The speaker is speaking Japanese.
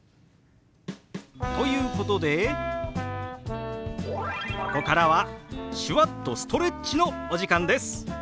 ということでここからは手話っとストレッチのお時間です。